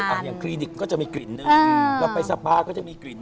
แต่อย่างคลีนิกก็จะมีกลิ่นนึง